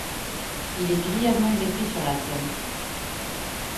Il est grièvement blessé sur la Somme.